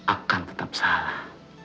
akan tetap salah